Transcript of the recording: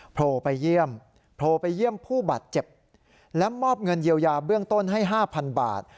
โผล่ไปเยี่ยมผู้บาดเจ็บและมอบเงินเยียวยาเบื้องต้นให้๕๐๐๐บาท